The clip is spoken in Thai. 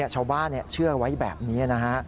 ชาวบ้านเชื่อไว้แบบนี้นะฮะ